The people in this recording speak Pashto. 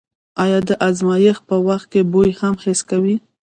آیا د ازمایښت په وخت کې بوی هم حس کوئ؟